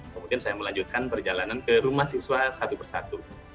kemudian saya melanjutkan perjalanan ke rumah siswa satu persatu